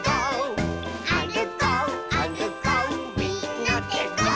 「あるこうあるこうみんなでゴー！」